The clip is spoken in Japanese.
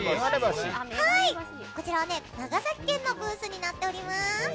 こちらは長崎県のブースになっております。